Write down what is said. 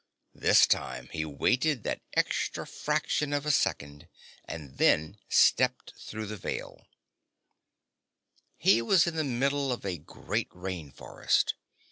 This time, he waited that extra fraction of a second and then stepped through the Veil. He was in the middle of a great rain forest.